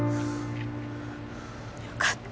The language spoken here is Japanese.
よかった。